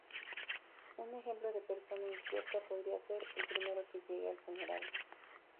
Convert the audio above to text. Un ejemplo de persona incierta podría ser "el primero que llegue al funeral".